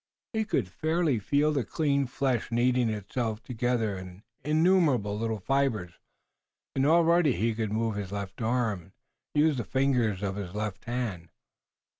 He could fairly feel the clean flesh knitting itself together in innumerable little fibers, and already he could move his left arm, and use the fingers of his left hand.